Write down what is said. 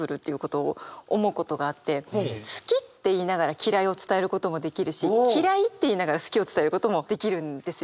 「好き」って言いながら「嫌い」を伝えることもできるし「嫌い」って言いながら「好き」を伝えることもできるんですよ。